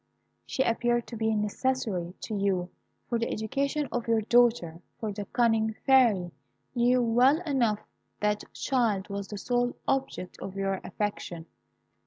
She appeared to be necessary to you for the education of your daughter, for the cunning Fairy knew well enough that child was the sole object of your affection.